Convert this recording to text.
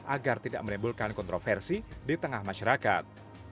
agar tidak menimbulkan kontroversi di tengah masyarakat